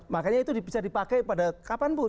makanya itu bisa dipakai pada kapanpun